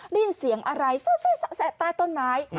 นี่เสียงอะไรแสะตาต้นไม้